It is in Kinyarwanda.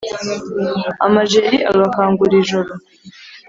amajeri agakangura ijoro